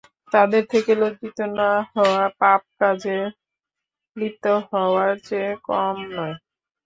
তাদের থেকে লজ্জিত না হওয়া, পাপকাজে লিপ্ত হওয়ার চেয়ে কম নয়।